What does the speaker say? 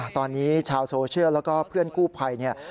ตอนนี้ชาวโซเชียลแล้วก็เพื่อนกู้ไพร